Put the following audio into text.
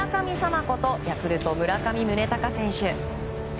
ことヤクルト、村上宗隆選手。